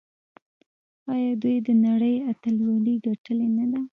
آیا دوی د نړۍ اتلولي ګټلې نه ده؟